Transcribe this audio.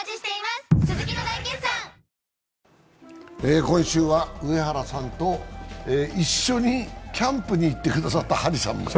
今週は上原さんと一緒にキャンプに行ってくださった張さん。